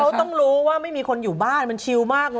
เขาต้องรู้ว่าไม่มีคนอยู่บ้านมันชิวมากเลย